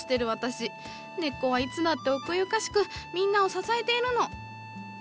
根っこはいつだって奥ゆかしくみんなを支えているの。